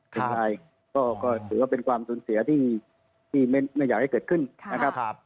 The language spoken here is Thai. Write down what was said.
เป็นอะไรก็ถือว่าเป็นความสูญเสียที่ไม่อยากให้เกิดขึ้นนะครับ